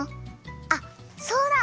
あっそうだ！